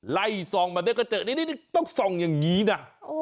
ไล่ทรงมาเยอะนะต้องทรงอย่างนี้นะ